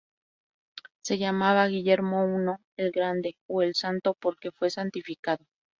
Se llamaba Guillermo I "el grande" o "el santo", porque fue santificado.